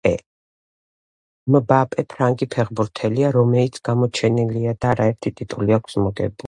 მბაპე ფრანგი ფეღბურთელია რომეიც გამოჩენილია და არაერთი ტიტული აქვს მოგებული